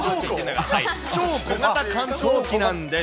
超小型乾燥機なんです。